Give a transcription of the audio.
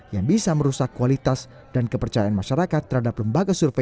yang bisa merusak kualitas dan kepercayaan masyarakat terhadap lembaga survei